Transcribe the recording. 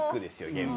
現場。